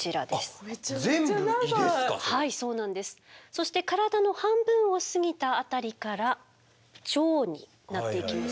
そして体の半分を過ぎたあたりから腸になっていきますね。